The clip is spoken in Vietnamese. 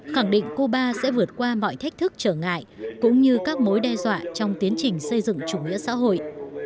khẳng định cuba sẽ vượt qua mọi thách thức trở ngại cũng như các mối đe dọa trong tiến trình xây dựng chủ nghĩa xã hội